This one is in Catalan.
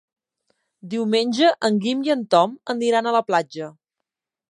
Diumenge en Guim i en Tom aniran a la platja.